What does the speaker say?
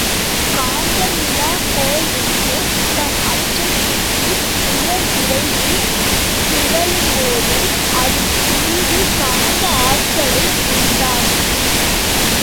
காந்தமிலாக் கோல் ஒன்று, தன் அச்சைச் சுற்றி உயர்விரைவில் சுழலும்போது, அதில் சிறிது காந்த ஆற்றலை உண்டாக்கும்.